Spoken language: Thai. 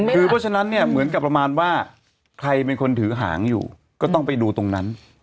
คือเพราะฉะนั้นเนี่ยเหมือนกับประมาณว่าใครเป็นคนถือหางอยู่ก็ต้องไปดูตรงนั้น